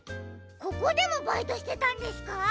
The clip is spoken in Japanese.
ここでもバイトしてたんですか？